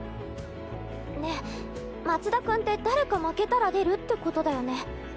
ね松田君って誰か負けたら出るってことだよね？